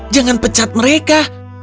jangan pecat mereka